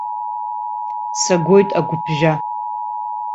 Сагоит агәыԥжәа.